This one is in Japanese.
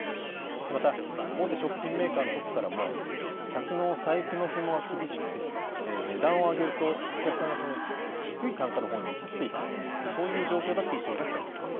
また、大手食品メーカーのトップからも、客の財布のひもは厳しくて、値段を上げると、お客さんが低い単価のほうに移っていく、そういう状況だという声が聞かれています。